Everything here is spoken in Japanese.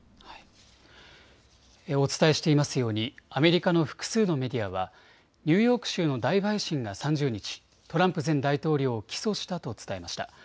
お伝えしていますようにアメリカの複数のメディアはニューヨーク州の大陪審が３０日、トランプ前大統領を起訴したと伝えました。